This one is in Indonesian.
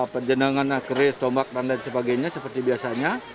penjendangan keris tombak dan lain sebagainya seperti biasanya